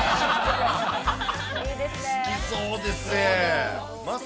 好きそうですね。